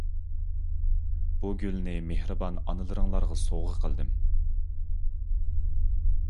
بۇ گۈلنى مېھرىبان ئانىلىرىڭلارغا سوۋغا قىلدىم.